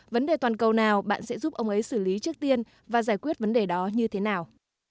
vấn đề toàn cầu nào bạn sẽ giúp ông ấy xử lý trước tiên và giải quyết vấn đề đó như thế nào